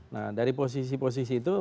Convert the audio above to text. nah dari posisi posisi itu